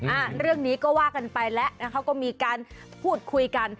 อ่าเรื่องนี้ก็ว่ากันไปแล้วนะคะก็มีการพูดคุยกัน